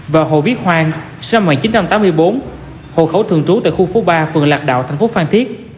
và hồ viết hoang sinh năm một nghìn chín trăm tám mươi bốn hộ khẩu thường trú tại khu phố ba phường lạc đạo thành phố phan thiết